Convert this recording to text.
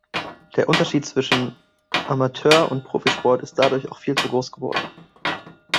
Der Unterschied zwischen Amateurund Profisport ist dadurch auch viel zu groß geworden.